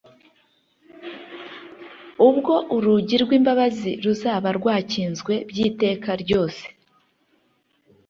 ubwo urugi rw'imbabazi ruzaba rwakinzwe by'iteka ryose.